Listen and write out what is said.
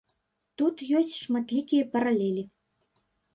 Тут ёсць шматлікія паралелі.